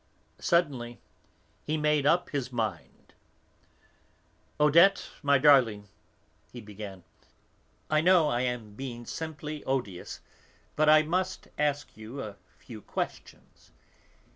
Suddenly he made up his mind. "Odette, my darling," he began, "I know, I am being simply odious, but I must ask you a few questions.